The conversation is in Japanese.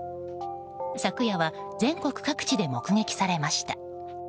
昨夜は全国各地で目撃されました。